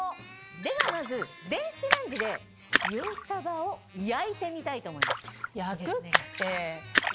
ではまず電子レンジで塩サバを焼いてみたいと思います。